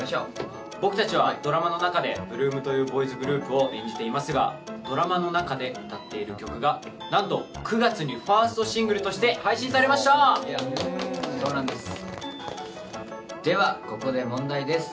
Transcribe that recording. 僕たちはドラマの中で８ＬＯＯＭというボーイズグループを演じていますがドラマの中で歌っている曲がなんと９月にファーストシングルとして配信されましたそうなんですではここで問題です